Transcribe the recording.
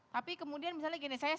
tapi kemudian misalnya gini